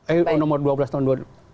eh nomor dua belas tahun